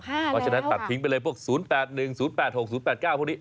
เพราะฉะนั้นตัดทิ้งไปเลยพวก๐๘๑๐๘๖๐๘๙พวกนี้